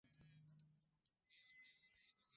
Ongeza maji robo ya chungu cha kupikia sufuria